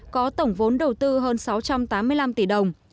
có tổng vốn đầu tư hơn sáu trăm tám mươi năm tỷ đồng